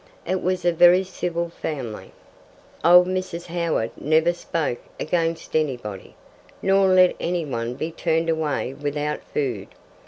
It was a very civil family. Old Mrs. Howard never spoke against anybody, nor let anyone be turned away without food.